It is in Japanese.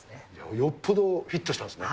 よっぽどフィットしたんですね。